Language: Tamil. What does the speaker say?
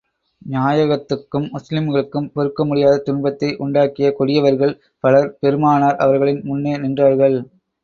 நாயகத்துக்கும், முஸ்லிம்களுக்கும் பொறுக்க முடியாத துன்பத்தை உண்டாக்கிய கொடியவர்கள் பலர் பெருமானார் அவர்களின் முன்னே நின்றார்கள்.